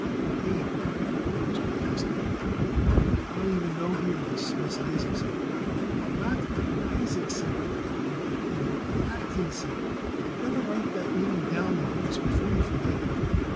"But, Abe," Morris protested, "I don't even know this here Miss Isaacson." "Not Isaacson," Abe repeated; "Atkinson. You'd better write that name down, Mawruss, before you forget it."